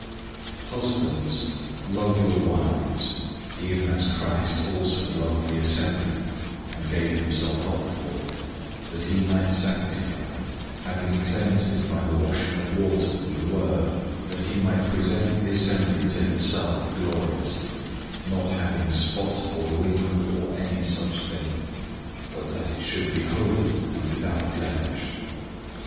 005:025 Husbands, love your wives, even as Christ also loved the assembly, and gave himself up for it; 005:026 that he might sanctify it, having cleansed it by the washing of water with the word, 005:027 that he might present the assembly to himself gloriously, not having spot or wrinkle or any such thing; but that it should be holy and without blemish.